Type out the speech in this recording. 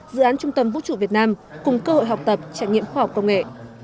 dự án trung tâm vũ trụ việt nam cùng cơ hội học tập trải nghiệm khoa học công nghệ